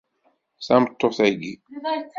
Tameṭṭut-agi